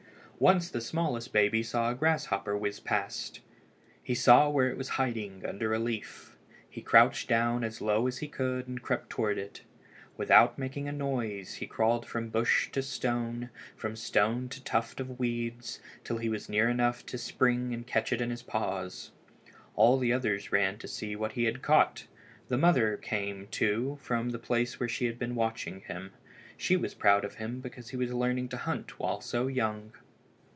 Once the smallest baby saw a grasshopper whizz past. He saw where it was hiding under a leaf. He crouched down as low as he could and crept toward it. Without making a noise he crawled from bush to stone, from stone to tuft of weeds, till he was near enough to spring and catch it in his paws. All the others ran to see what he had caught. The mother came, too, from the place where she had been watching him. She was proud of him because he was learning to hunt while so young.